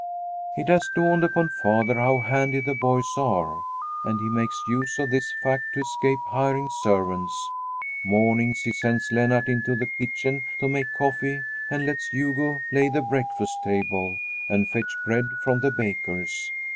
It has dawned upon father how handy the boys are, and he makes use of this fact to escape hiring servants. Mornings he sends Lennart into the kitchen to make coffee and lets Hugo lay the breakfast table and fetch bread from the baker's.